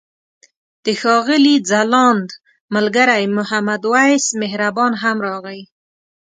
د ښاغلي ځلاند ملګری محمد وېس مهربان هم راغی.